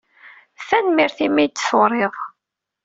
Tanemmirt imi ay d-turiḍ.